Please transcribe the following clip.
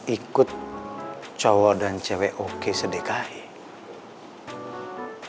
ikut cowok dan cewek oke sedekah ya